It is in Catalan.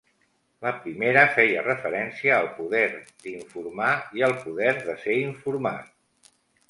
La primera, feia referència al poder d'informar i al poder de ser informat.